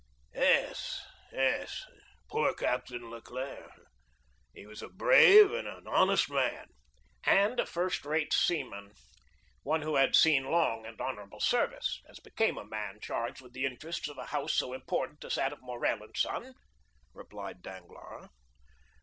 "Yes—yes: poor Captain Leclere! He was a brave and an honest man." "And a first rate seaman, one who had seen long and honorable service, as became a man charged with the interests of a house so important as that of Morrel & Son," replied Danglars.